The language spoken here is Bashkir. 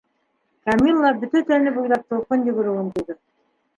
- Камилла бөтә тәне буйлап тулҡын йүгереүен тойҙо.